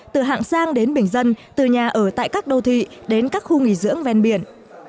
từ hạng sang đến bình dân từ nhà ở tại các đô thị đến các khu nghỉ dưỡng ven biển